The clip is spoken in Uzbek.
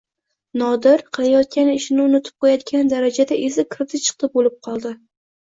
Nodir qilayotgan ishini unutib qo`yadigan darajada esi kirdi-chiqdi bo`lib qoldi